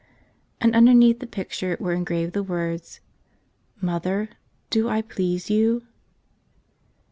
And underneath the picture were engraved the words, "Mother, do I please you?"